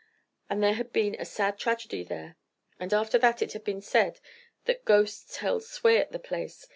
But there had been a sad tragedy there, and after that it had been said that ghosts held sway at the place.